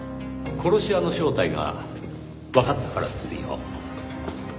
殺し屋の正体がわかったからですよ。